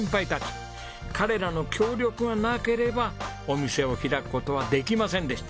彼らの協力がなければお店を開く事はできませんでした。